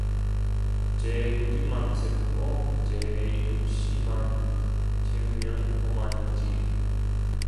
제 고집만 세우고 제 욕심만 채우면 고만 이지.